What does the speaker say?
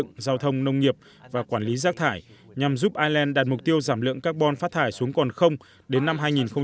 ngày hai mươi ba tháng sáu ba mươi bảy người di cư đã được lực lượng carbon phát thải xuống còn không đến năm hai nghìn năm mươi